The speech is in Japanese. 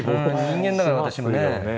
人間だから私もね。